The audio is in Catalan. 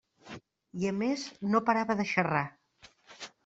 I, a més, no parava de xerrar.